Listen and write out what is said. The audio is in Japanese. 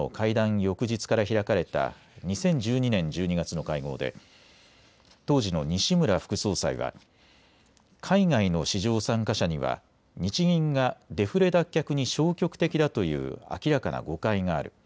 翌日から開かれた２０１２年１２月の会合で当時の西村副総裁は海外の市場参加者には日銀がデフレ脱却に消極的だという明らかな誤解がある。